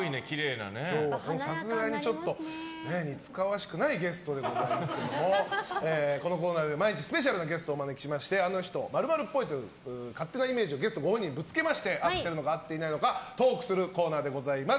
今日は桜に似つかわしくないゲストでございますけどもこのコーナーで毎日スペシャルなゲストをお招きしましてあの人○○っぽいという勝手なイメージをゲストご本人にぶつけまして合ってるのか合っていないのかトークするコーナーです。